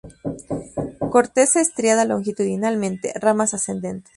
Corteza estriada longitudinalmente, ramas ascendentes.